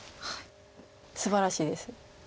すばらしいです。